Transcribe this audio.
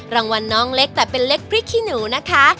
น้องเล็กแต่เป็นเล็กพริกขี้หนูนะคะ